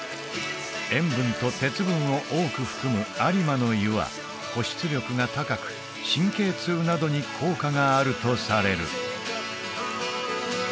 塩分と鉄分を多く含む有馬の湯は保湿力が高く神経痛などに効果があるとされる